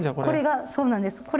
これがそうなんです。